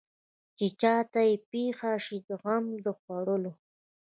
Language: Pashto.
چې چا ته پېښ شي غم د خوړلو.